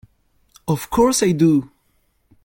Of course I do!